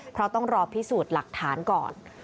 เพราะต้องรอพิสูจน์หลักฐานก่อน